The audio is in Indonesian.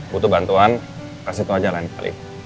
butuh bantuan kasih tau aja lain kali